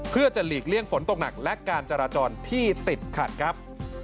เพื่อจะหลีกเลี่ยงฝนตกหนักและการจราจรที่ติดขัดครับ